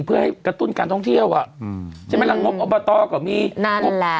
เพื่อให้กระตุ้นการท่องเที่ยวอ่ะอืมใช่ไหมล่ะงบอบตก็มีนั่นแหละ